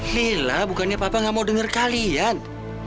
lil bukannya papa gak mau denger kalian